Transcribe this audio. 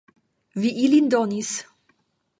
Vi ilin donis.